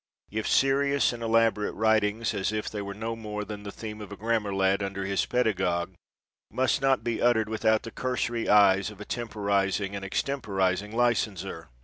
if serious and elaborate writings, as if they were no more than the theme of a gram mar lad under his pedagog, must not be ut tered without the cursory eyes of a temporizing and extemporizing licenser?